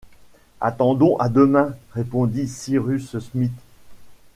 Attendons à demain, répondit Cyrus Smith.